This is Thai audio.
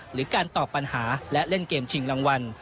หรือการตอบปัญหาและเล่นเกมชิงรางวัล